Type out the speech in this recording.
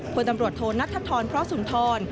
ผู้ตำรวจโทนนัชทัพทรพระสุนทร